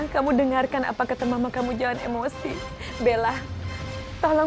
kita harus melakukan sesuatu